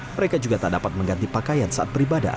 mereka juga tak dapat mengganti pakaian saat beribadah